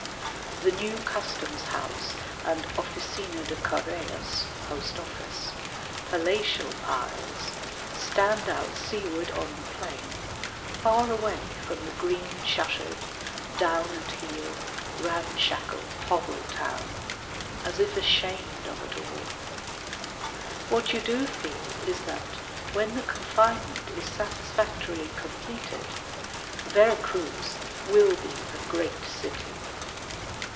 The new Customs House and Oficina de Correos (Post Office), palatial piles, stand out seaward on the plain, far away from the green shuttered, down at heel, ramshackle hovel town, as if ashamed of it all. What you do feel is that when the confinement is satisfactorily completed, Vera Cruz will be a great city.